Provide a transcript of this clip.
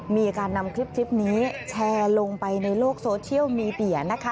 มีการนำคลิปนี้แชร์ลงไปในโลกโซเชียลมีเดียนะคะ